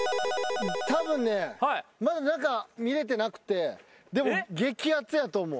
たぶんねまだ中見れてなくてでも激アツやと思う。